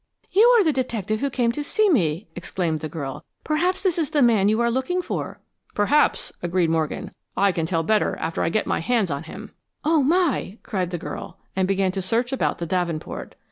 "You are the detective who came to see me!" exclaimed the girl. "Perhaps this is the man you are looking for." "Perhaps," agreed Morgan. "I can tell better after I get my hands on him." "Oh, my!" cried the girl, and began to search about the davenport.